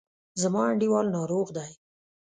زما انډیوال ناروغ دی.